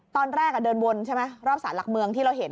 ตอนแรกเดินวนรอบศาลหลักเมืองที่เราเห็น